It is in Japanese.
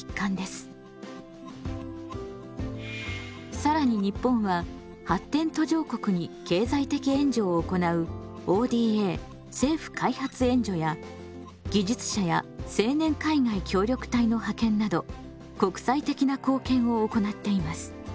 更に日本は発展途上国に経済的援助を行うＯＤＡや技術者や青年海外協力隊の派遣など国際的な貢献を行っています。